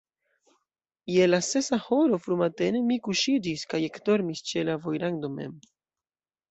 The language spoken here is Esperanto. Je la sesa horo frumatene mi kuŝiĝis kaj ekdormis ĉe la vojrando mem.